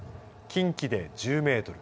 近畿で１０メートル